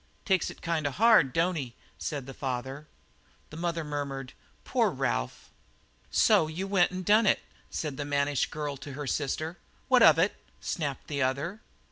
"Takes it kind of hard, don't he?" said the father. And the mother murmured: "Poor Ralph!" "So you went an' done it?" said the mannish girl to her sister. "What of it?" snapped the other.